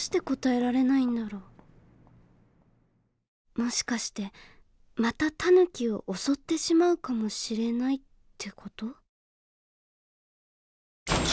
もしかしてまたタヌキを襲ってしまうかもしれないって事？